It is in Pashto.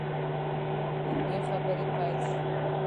اوږدې خبرې پیل شوې.